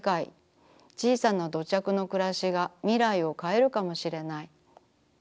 ちいさな土着のくらしがみらいをかえるかもしれない。